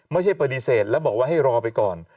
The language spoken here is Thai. ไม่ใช่ปฏิเสธแล้วบอกว่าให้รอไปก่อน